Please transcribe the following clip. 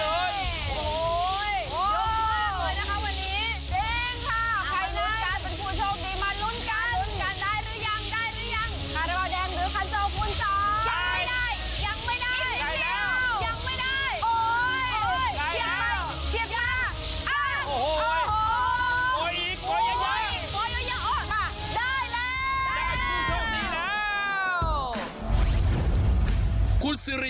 โอ้ยลุ้นลุ้นลุ้นลุ้น